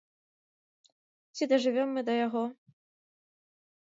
Ці дажывём мы да яго?